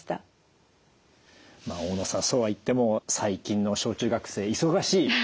大野さんそうはいっても最近の小中学生忙しい。